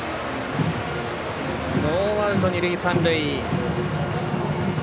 ノーアウト二塁三塁。